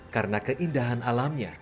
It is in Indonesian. karena keindahan alamnya